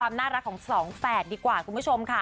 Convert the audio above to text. ความน่ารักของสองแฝดดีกว่าคุณผู้ชมค่ะ